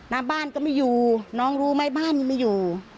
หน้าบ้านก็ไม่อยู่น้องรู้ไหมบ้านนี้ไม่อยู่